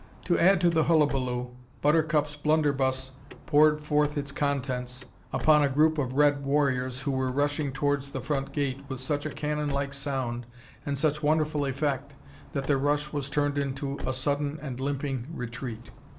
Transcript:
To add to the hullabaloo Buttercup's blunderbuss poured forth its contents upon a group of red warriors who were rushing towards the front gate, with such a cannon like sound and such wonderful effect, that the rush was turned into a sudden and limping retreat.